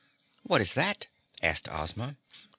"What is that?" asked Ozma.